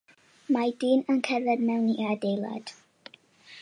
Mae dyn yn cerdded i mewn i adeilad.